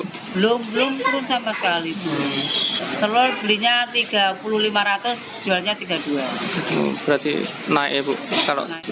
belum turun sama sekali bu